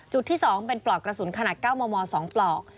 ที่๒เป็นปลอกกระสุนขนาด๙มม๒ปลอก